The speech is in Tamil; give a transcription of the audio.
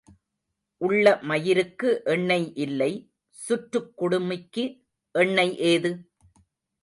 உள்ள மயிருக்கு எண்ணெய் இல்லை சுற்றுக் குடுமிக்கு எண்ணெய் ஏது?